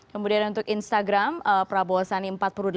kemudian untuk instagram prabowo sandi empat puluh delapan